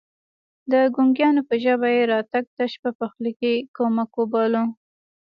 د ګونګيانو په ژبه يې راتګ تش په پخلي کې کمک وباله.